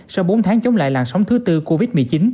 sau bốn tháng chống lại làn sóng thứ tư covid một mươi chín